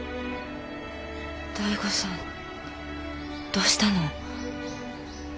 醍醐さんどうしたの？